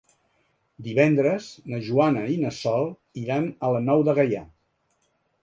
Divendres na Joana i na Sol iran a la Nou de Gaià.